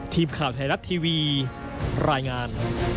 ทีมข่าวไทยรัฐทีวีรายงาน